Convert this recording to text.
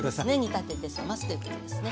煮立てて冷ますということですね。